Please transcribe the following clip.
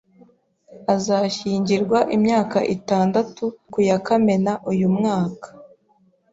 Azashyingirwa imyaka itandatu ku ya Kamena uyu mwaka